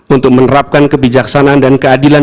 untuk menerapkan kebijaksanaan dan keadilan